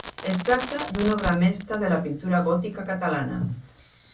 Es tracta d'una obra mestra de la pintura gòtica catalana.